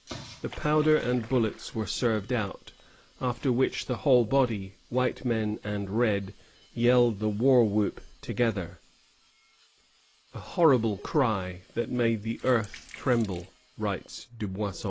The powder and bullets were served out, after which the whole body, white men and red, yelled the war whoop together, "a horrible cry, that made the earth tremble," writes Dubuisson.